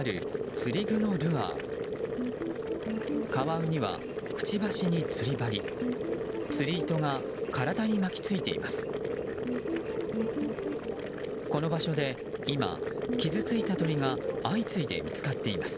釣り糸が体に巻きついています。